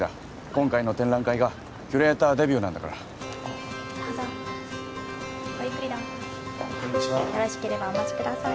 今回の展覧会がキュレーターデビューなんだからどうぞごゆっくりどうぞよろしければお持ちください